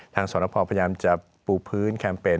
สรพพยายามจะปูพื้นแคมเปญ